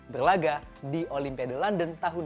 berlaga di olimpiade london tahun dua ribu dua